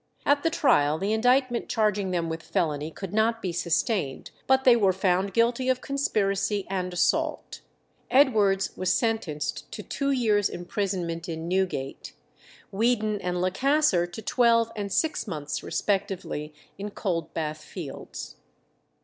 At the trial the indictment charging them with felony could not be sustained, but they were found guilty of conspiracy and assault. Edwards was sentenced to two years' imprisonment in Newgate, Weedon and Lecasser to twelve and six months respectively in Coldbath Fields.